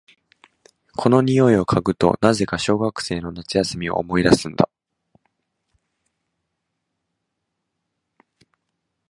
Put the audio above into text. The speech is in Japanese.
この匂いを嗅ぐと、なぜか小学生の夏休みを思い出すんだ。